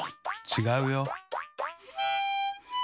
ちがうよ。